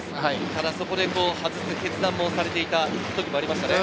ただそこで外す決断もされていた部分もありましたね。